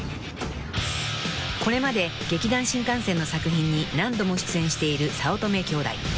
［これまで劇団☆新感線の作品に何度も出演している早乙女兄弟］